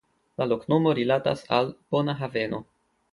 La loknomo rilatas al "bona haveno".